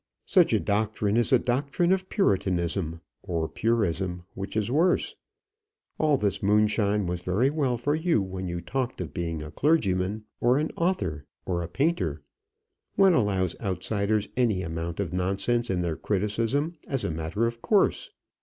Such a doctrine is a doctrine of puritanism or purism, which is worse. All this moonshine was very well for you when you talked of being a clergyman, or an author, or a painter. One allows outsiders any amount of nonsense in their criticism, as a matter of course.